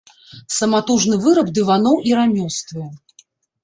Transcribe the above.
Саматужны выраб дываноў і рамёствы.